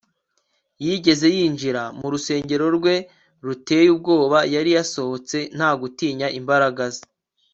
yigeze yinjira mu rusengero rwe ruteye ubwoba yari yasohotse nta gutinya imbaraga ze